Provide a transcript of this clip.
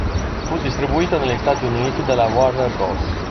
Fu distribuito negli Stati Uniti dalla Warner Bros.